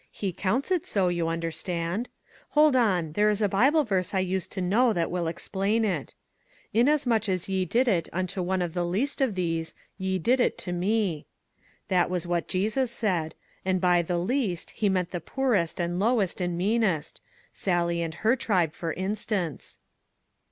He counts it so, you understand. Hold on, there is a Bible verse I used to know that will explain it :' Inasmuch as ye did it unto one of the least of these, ye did it to me.' That was what Jesus said ; and by ' the least ' he meant the poorest and lowest and meanest Sally and her tribe, for instance."